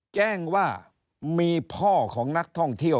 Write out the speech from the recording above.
แจ้งว่ามีพ่อของนักท่องเที่ยว